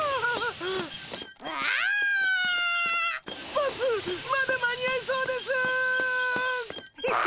バスまだ間に合いそうです！